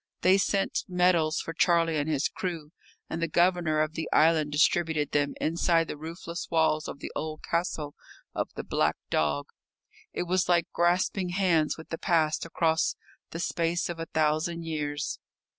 They sent medals for Charlie and his crew, and the Governor of the island distributed them inside the roofless walls of the old castle of the "Black Dog." It was like grasping hands with the past across the space of a thousand years.